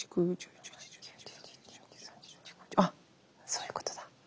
あっそういうことだ。え？